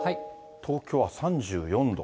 東京は３４度。